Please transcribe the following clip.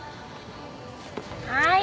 はい。